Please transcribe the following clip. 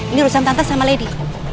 ini urusan tante sama lady